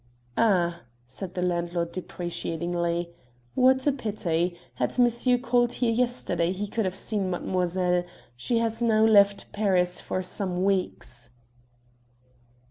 "Ah," said the landlord deprecatingly, "what a pity! Had monsieur called here yesterday he could have seen mademoiselle. She has now left Paris for some weeks."